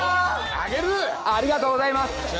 ありがとうございます。